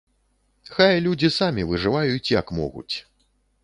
Хай людзі самі выжываюць, як могуць.